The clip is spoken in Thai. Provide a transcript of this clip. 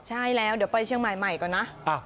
ใช่แล้วเดี๋ยวไปเชียงใหม่ใหม่ก่อนนะ